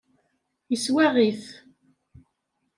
Yeswaɣ-it.